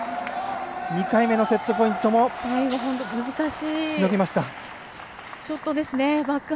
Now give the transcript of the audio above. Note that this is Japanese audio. ２回目のセットポイントもしのぎました。